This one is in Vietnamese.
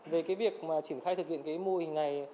về cái việc mà triển khai thực hiện cái mô hình này